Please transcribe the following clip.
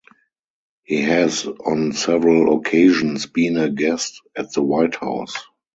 He has on several occasions been a guest at the White House.